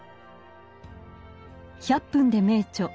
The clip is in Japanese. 「１００分ｄｅ名著」